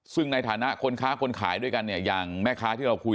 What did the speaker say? ซึ่งในฐานะคนค้าคนขายด้วยกันเนี่ยอย่างแม่ค้าที่เราคุย